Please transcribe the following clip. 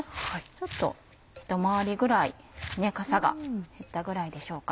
ちょっとひと回りぐらいかさが減ったぐらいでしょうか。